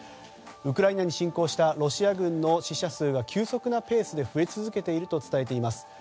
ウクライナに侵攻したロシア軍の死者数が急速なペースで増え続けていると伝えています。